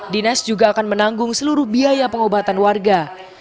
dinas juga akan menanggung seluruh biaya pengobatan warga